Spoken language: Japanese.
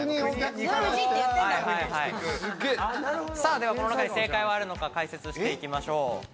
ではこの中で正解はあるのか、解説していきましょう。